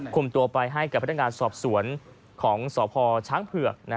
คุมตัวไปให้กับพนักงานสอบสวนของสพช้างเผือก